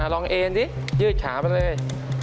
ลองเอ็นสิยืดขาไปเลย